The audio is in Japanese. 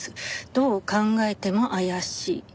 どう考えても怪しい。